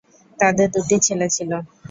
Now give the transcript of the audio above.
তাদের দুটি ছেলে ছিল।